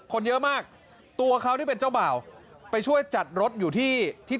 คนเยอะมากตัวเขาที่เป็นเจ้าบ่าวไปช่วยจัดรถอยู่ที่ที่